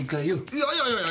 いやいやいや。